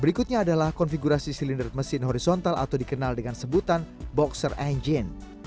berikutnya adalah konfigurasi silinder mesin horizontal atau dikenal dengan sebutan boxer engine